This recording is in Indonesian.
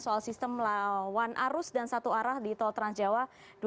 soal sistem lawan arus dan satu arah di tol trans jawa dua ribu sembilan belas